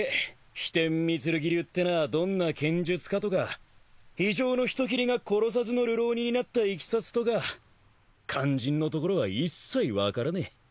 飛天御剣流ってのはどんな剣術かとか非情の人斬りが殺さずの流浪人になったいきさつとか肝心のところは一切分からねえ。